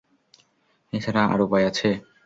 এছাড়া আর উপায় আছে?